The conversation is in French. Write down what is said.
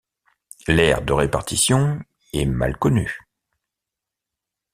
L'aire de répartition est mal connue.